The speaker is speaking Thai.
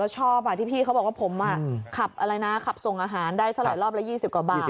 ชอบที่พี่เขาบอกว่าผมขับอะไรนะขับส่งอาหารได้เท่าไหร่รอบละ๒๐กว่าบาท